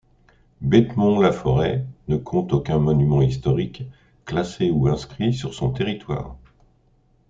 Béthemont-la-Forêt ne compte aucun monument historique classé ou inscrit sur son territoire.